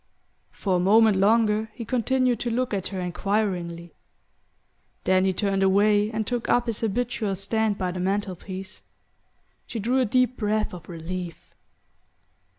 For a moment longer he continued to look at her enquiringly; then he turned away and took up his habitual stand by the mantel piece. She drew a deep breath of relief.